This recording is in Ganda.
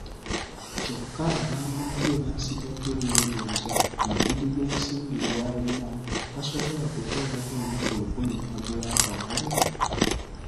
Kyoka abaamulabye baasigade beebuuza ku mudidi gw'ensimbi gw'alina tasobola kutoolako nnusu lukumi n'agula akawale!